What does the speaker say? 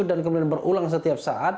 dan kemudian berulang setiap saat